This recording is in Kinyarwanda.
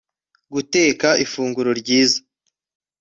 guteka ifunguro ryiza